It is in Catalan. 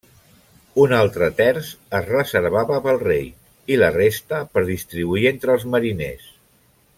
Un altre terç es reservava pel rei i la resta per distribuir entre els mariners.